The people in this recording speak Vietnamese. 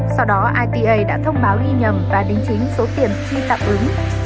sau đó ita đã thông báo ghi nhầm và đính chính số tiền chi tạm ứng